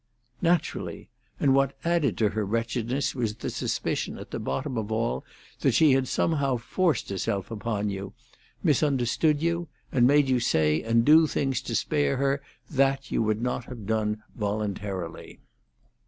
"Naturally. And what added to her wretchedness was the suspicion at the bottom of all that she had somehow forced herself upon you—misunderstood you, and made you say and do things to spare her that you would not have done voluntarily."